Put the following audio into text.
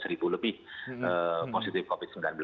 jadi itu lebih positif covid sembilan belas